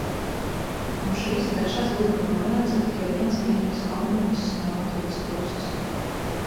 Un šis trešais līguma variants ir tikai viens vienīgs kompromiss no Latvijas puses.